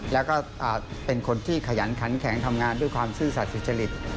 แล้วก็เป็นคนที่ขยันขันแข็งทำงานด้วยความซื่อสัตว์สุจริต